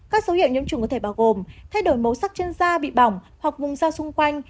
các dấu hiệu nhiễm trùng có thể bao gồm thay đổi màu sắc chân da bị bỏng hoặc vùng da xung quanh